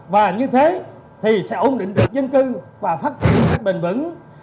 và như thế thì sẽ ổn định được dân cư và phát triển bền vững